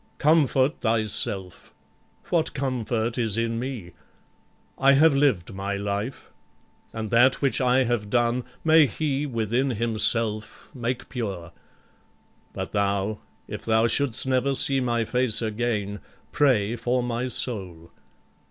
Comfort thyself: what comfort is in me? I have lived my life, and that which I have done May He within himself make pure! but thou, If thou shouldst never see my face again, Pray for my soul.